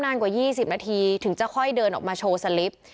นานกว่า๒๐นาทีถึงจะค่อยเดินออกมาโชว์สลิป